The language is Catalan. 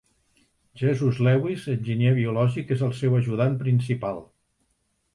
Jesus Lewis, enginyer biològic, és el seu ajudant principal.